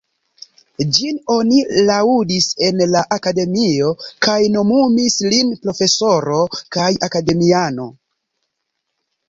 Ĝin oni laŭdis en la Akademio kaj nomumis lin profesoro kaj akademiano.